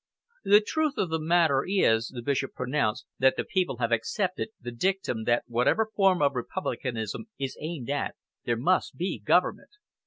"The truth of the matter is," the Bishop pronounced, "that the people have accepted the dictum that whatever form of republicanism is aimed at, there must be government.